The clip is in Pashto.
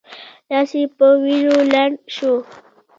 لاس یې په وینو لند شو.